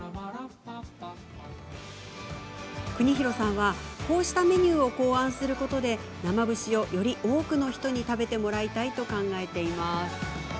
邦裕さんは、こうしたメニューを考案することで生節をより多くの人に食べてもらいたいと考えています。